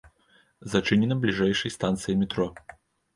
Зачынена бліжэйшай станцыя метро.